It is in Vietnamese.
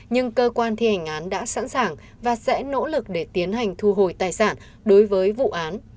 nhưng cơ quan thi hành án đã sẵn sàng và sẽ nỗ lực để tiến hành thu hồi tài sản đối với vụ án